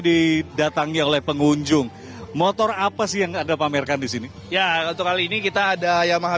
didatangi oleh pengunjung motor apa sih yang ada pamerkan di sini ya untuk kali ini kita ada yamaha